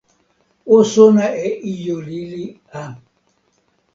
o sona e ijo lili a.